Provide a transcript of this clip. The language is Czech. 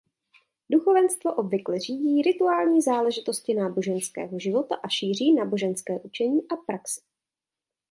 Duchovenstvo obvykle řídí rituální záležitosti náboženského života a šíří náboženské učení a praxi.